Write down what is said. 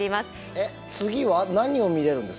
えっ次は何を見れるんですか？